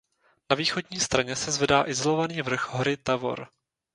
Na východní straně se zvedá izolovaný vrch hory Tavor.